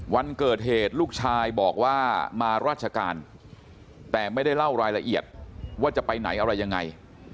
วันเกิดเหตุลูกชายบอกว่ามาราชการแต่ไม่ได้เล่ารายละเอียดว่าจะไปไหนอะไรยังไง